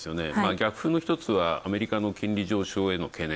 逆風の一つはアメリカの金利上昇への懸念。